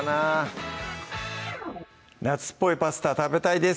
夏っぽいパスタ食べたいです